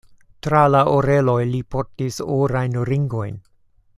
Tra la oreloj li portis orajn ringojn.